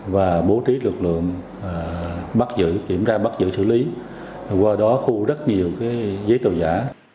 và bố trí lực lượng bắt giữ kiểm tra bắt giữ xử lý qua đó khu rất nhiều giấy tờ giả